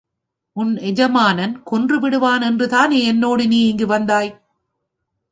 உன் எஜமானன் கொன்றுவிடுவான் என்று தானே என்னோடு நீ இங்கு வந்தாய்?